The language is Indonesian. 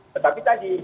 tetapi tadi penyelidikan